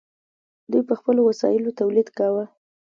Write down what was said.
دوی په خپلو وسایلو تولید کاوه.